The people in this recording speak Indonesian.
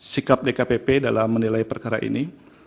sikap dkpp dalam menilai perkara ini